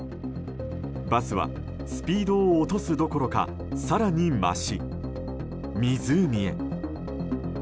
バスはスピードを落とすどころか更に増し、湖へ。